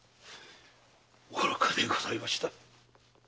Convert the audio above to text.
愚かでございました。